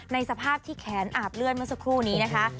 สภาพที่แขนอาบเลื่อนเมื่อสักครู่นี้นะคะ